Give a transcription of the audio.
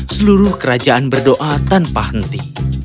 seluruh kerajaan berdoa tanpa henti